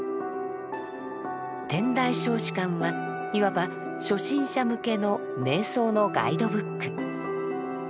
「天台小止観」はいわば初心者向けの瞑想のガイドブック。